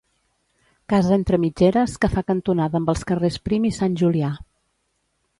Casa entre mitgeres, que fa cantonada amb els carrers Prim i Sant Julià.